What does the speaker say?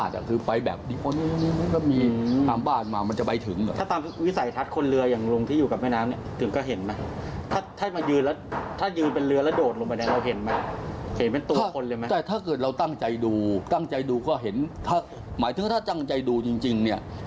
ถ้าจังใจดูจริงเนี่ย